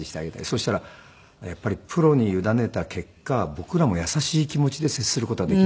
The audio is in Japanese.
そしたらやっぱりプロに委ねた結果僕らも優しい気持ちで接する事ができる。